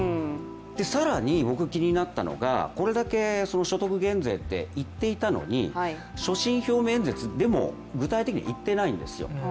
更に僕気になったのがこれだけ所得税減税っていっていたのに所信表明演説でも具体的には言っていないんですよ。